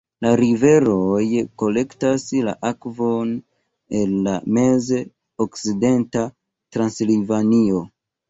La riveroj kolektas la akvon el la Mez-Okcidenta Transilvanio.